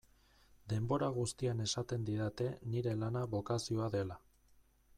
Denbora guztian esaten didate nire lana bokazioa dela.